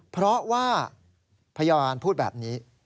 เพราะว่าพยาบาลพูดแบบนี้